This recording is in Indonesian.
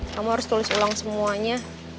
kamu harus tulis ulang semuanya